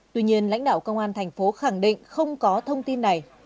tuy nhiên lãnh đạo công an thành phố khẳng định không có thông tin này